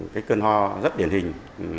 cơn ho rất điển hình